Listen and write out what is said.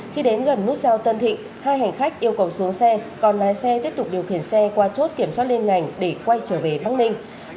khi đến gần nút giao tân thịnh hai hành khách yêu cầu xuống xe còn lái xe tiếp tục điều khiển xe qua chốt kiểm soát liên ngành để quay trở về bắc ninh